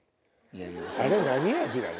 あれ何味なの？